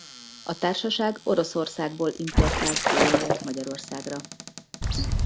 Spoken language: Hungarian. A társaság Oroszországból importált kőolajat Magyarországra.